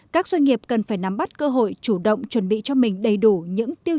các doanh nghiệp cần phải nắm bắt cơ hội chủ động chuẩn bị cho mình đầy đủ những tiêu